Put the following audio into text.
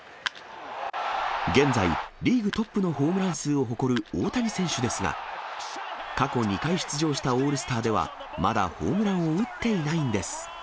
現在、リーグトップのホームラン数を誇る大谷選手ですが、過去２回出場したオールスターでは、まだホームランを打っていないんです。